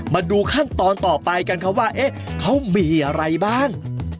มาดูขั้นตอนต่อไปกันครับว่าเขามีอะไรบ้าง